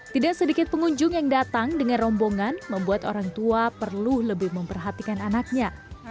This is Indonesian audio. tidak sedikit pengunjung yang datang dengan rombongan membuat orang tua perlu lebih memperhatikan anaknya